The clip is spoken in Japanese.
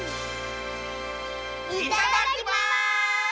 いただきます！